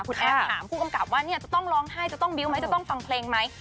คุณแอฟถามผู้กำกับว่าจะต้องร้องไห้จะต้องบิวต์ไหมจะต้องฟังเพลงไหม